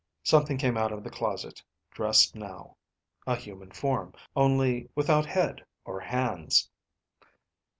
Something came out of the closet, dressed now: a human form, only without head or hands.